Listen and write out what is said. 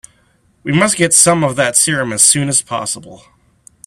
We must get some of that serum as soon as possible.